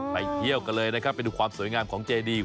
ไปเที่ยวกันเลยนะครับไปดูความสวยงามของเจดี